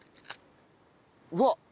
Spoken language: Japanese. うわっ。